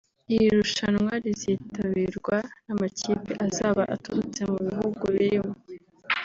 Iri rushanwa rizitabirwa n’amakipe azaba aturutse mu bihugu birimo